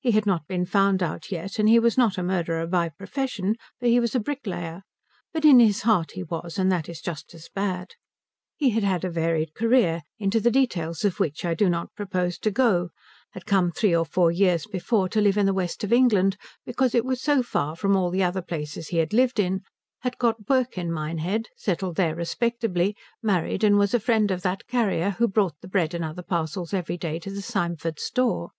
He had not been found out yet and he was not a murderer by profession, for he was a bricklayer; but in his heart he was, and that is just as bad. He had had a varied career into the details of which I do not propose to go, had come three or four years before to live in the West of England because it was so far from all the other places he had lived in, had got work in Minehead, settled there respectably, married, and was a friend of that carrier who brought the bread and other parcels every day to the Symford store.